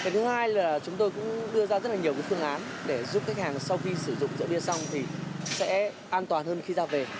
thứ hai là chúng tôi cũng đưa ra rất là nhiều phương án để giúp khách hàng sau khi sử dụng rượu bia xong thì sẽ an toàn hơn khi ra về